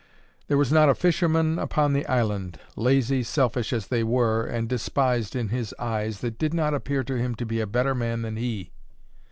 There was not a fisherman upon the island, lazy, selfish as they were, and despised in his eyes, that did not appear to him to be a better man than he.